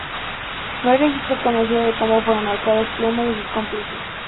No hay registro conocido de cómo fueron ahorcados Plummer y sus cómplices.